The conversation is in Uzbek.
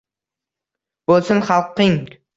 Bo’lsin xalqing